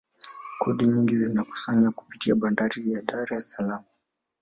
kodi nyingi zinakusanywa kupitia bandari ya dar es salaam